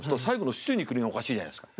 「酒池肉林」がおかしいじゃないですか。